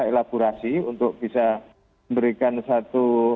elaborasi untuk bisa memberikan satu